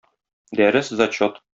Дәрес-зачет.